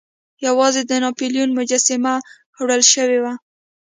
یوازې د ناپلیون مجسمه وړل شوې وه.